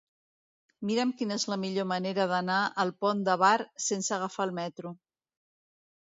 Mira'm quina és la millor manera d'anar al Pont de Bar sense agafar el metro.